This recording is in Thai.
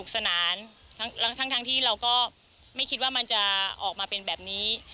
สนานทั้งที่เราก็ไม่คิดว่ามันจะออกมาเป็นแบบนี้